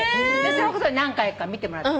その方に何回か見てもらって。